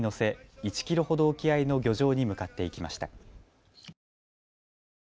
１キロほど沖合の漁場に向かっていきました。